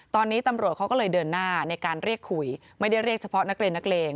ตอนนี้ตำรวจเขาก็เลยเดินหน้าในการเรียกคุยไม่ได้เรียกเฉพาะนักเรียนนักเลง